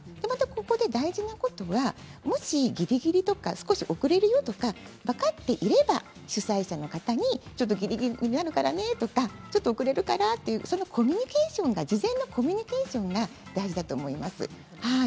ここで大事なことはもしぎりぎりとか少し遅れるとか分かっていれば主催者の方にぎりぎりになるからねとかちょっと遅れるからというコミュニケーションが事前のコミュニケーションが大事だと思います。